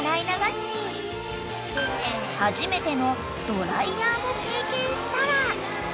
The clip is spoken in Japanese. ［初めてのドライヤーも経験したら］